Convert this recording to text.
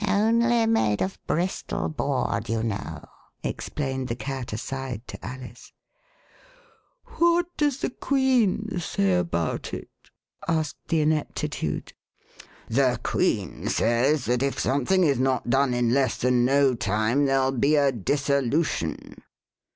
Only made of Bristol board, you know," explained the Cat aside to Alice. What does the Queen say about it ?" asked the I neptitude. The Queen says that if something is not done in less than no time there'll be a Dissolution."